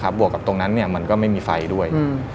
บวกกับตรงนั้นมันก็ไม่มีไฟด้วย